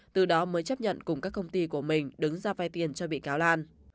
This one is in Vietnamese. từ đó mới chấp nhận cùng các công ty của mình đứng ra vay tiền cho bị cáo lan